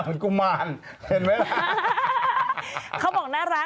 พี่อยู่กับเขาได้เปล่า